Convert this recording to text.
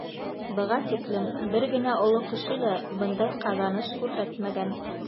Быға тиклем бер генә оло кеше лә бындай ҡаҙаныш күрһәтмәгән.